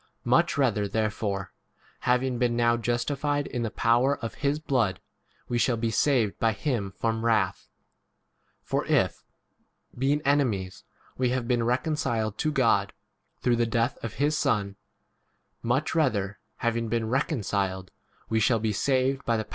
Much rather therefore, hav ing been now justified in [the power of] his blood, we shall be 10 saved by him from wrath. For if, being enemies, we have been reconciled to God through the death of his Son, much rather, having been reconciled, we shall h Or 'died.